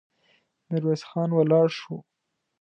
ميرويس خان ولاړ شو.